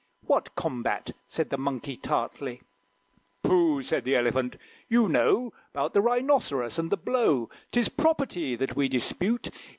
"What combat?" said the Monkey, tartly. "Pooh!" said the Elephant; "you know 'Bout the Rhinoceros, and the blow; 'Tis property that we dispute.